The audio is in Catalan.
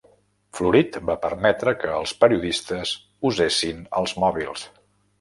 Florit va permetre que els periodistes usessin els mòbils